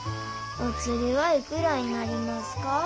お釣りはいくらになりますか？」。